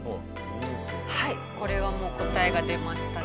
これはもう答えが出ました。